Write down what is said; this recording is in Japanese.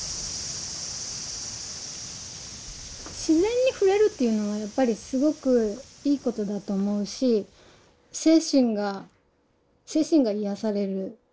自然に触れるというのはやっぱりすごくいいことだと思うし精神が精神が癒やされる。